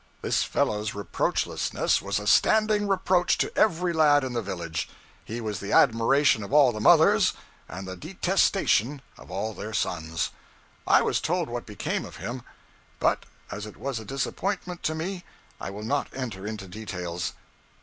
This fellow's reproachlessness was a standing reproach to every lad in the village. He was the admiration of all the mothers, and the detestation of all their sons. I was told what became of him, but as it was a disappointment to me, I will not enter into details.